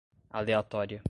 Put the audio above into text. aleatória